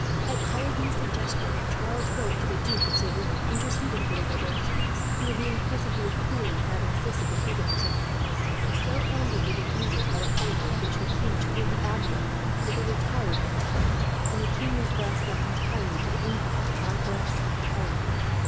At Coligny's suggestion, Charles wrote to the Duke of Savoy interceding for the Waldenses, who were being persecuted cruelly for having assisted the Huguenots of France. So angered were the Guises, by the favour with which the king treated the Admiral, that they retired from court; and the king was thus left entirely to the influence of Montmorency and Coligny.